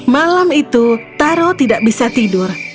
malam itu taro tidak bisa tidur